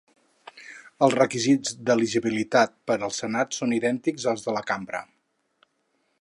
Els requisits d'elegibilitat per al Senat són idèntics als de la Cambra.